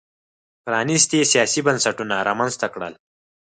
پرانیستي سیاسي بنسټونه رامنځته کړل.